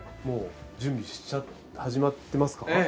もう準備始まってますか？